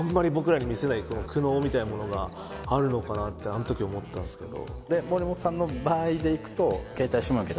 あのとき思ったんすけど。